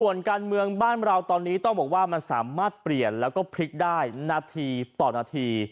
ส่วนการเมืองบ้านเราตอนนี้ต้องบอกว่ามันสามารถเปลี่ยนแล้วก็พลิกได้นาทีต่อนาที